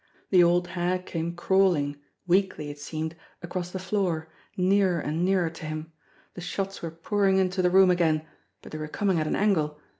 The old hag came crawl ing, weakly it seemed, across the floor, nearer and nearer to him. The shots were pouring into the room again but they were coming at an angle.